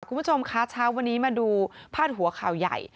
คุณผู้ชมคะเช้าวันนี้มาดูพาดหัวข่าวใหญ่